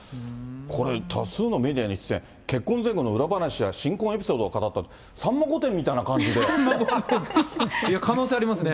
これ、多数のメディアに出演、結婚前後の裏話や新婚エピソードを語った、可能性ありますね。